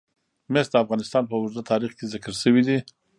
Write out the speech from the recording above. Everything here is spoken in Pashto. مس د افغانستان په اوږده تاریخ کې ذکر شوی دی.